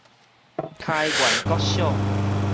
開元國小